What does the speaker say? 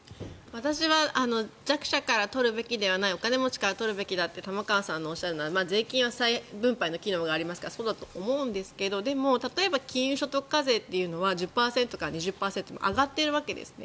私は弱者から取るべきじゃないお金持ちから取るべきだっていう玉川さんの話は税金は再分配の機能がありますからそうだと思うんですがでも例えば、金融所得課税は１０％から２０％上がっているわけですね。